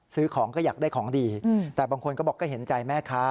ซื้อของก็อยากได้ของดีแต่บางคนก็บอกก็เห็นใจแม่ค้า